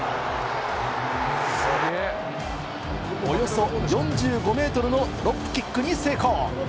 およそ４５ｍのドロップキックに成功。